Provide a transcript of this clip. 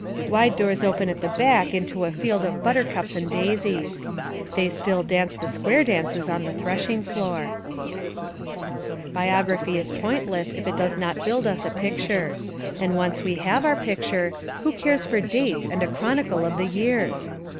"Wide doors open at the back into a field of buttercups and daisies." They still dance the square dances on the threshing floor. KATE DOUGLAS WIGGIN 125 Biography is pointless if it does not build us a picture; and once we have our picture who cares for dates and a chronicle of the years?